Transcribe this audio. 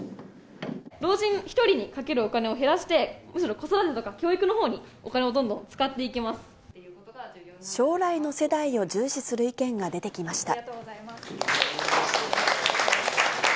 老人１人にかけるお金を減らして、むしろ子育てとか教育のほうに、お金をどんどん使っていき将来の世代を重視する意見が出てきました。